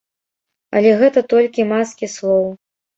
Але гэта толькі маскі слоў.